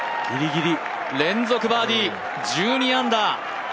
連続バーディー、１２アンダー。